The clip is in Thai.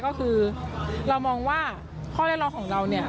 ก็คือเรามองว่าข้อเรียกร้องของเราเนี่ย